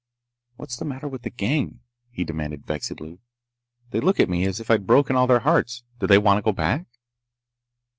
"What's the matter with the gang?" he demanded vexedly. "They look at me as if I'd broken all their hearts! Do they want to go back?"